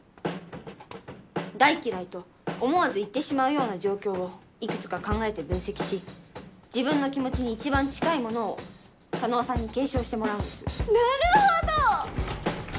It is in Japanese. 「大嫌い」と思わず言ってしまうような状況をいくつか考えて分析し自分の気持ちに一番近いものを叶さんに検証してもらうんですなるほど！